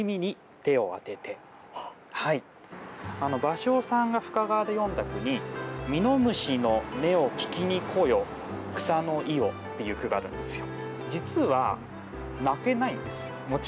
芭蕉さんが深川で詠んだ句に「蓑の音を聞きに来よ草の庵」っていう句があるんですよ。